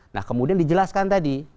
nah kemudian dijelaskan tadi